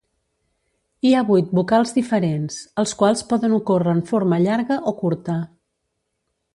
Hi ha vuit vocals diferents, els quals poden ocórrer en forma llarga o curta.